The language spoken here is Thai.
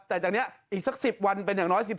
แต่จากนี้อีกสัก๑๐วันเป็นอย่างน้อย๑๔